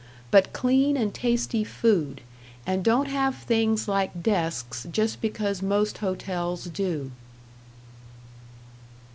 But clean and tasty food, and don't have things like desks just because most hotels do."